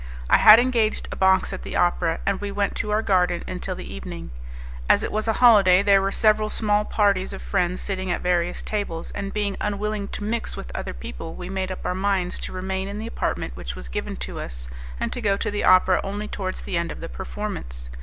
I had engaged a box at the opera, and we went to our garden until the evening. As it was a holiday there were several small parties of friends sitting at various tables, and being unwilling to mix with other people we made up our minds to remain in the apartment which was given to us, and to go to the opera only towards the end of the performance.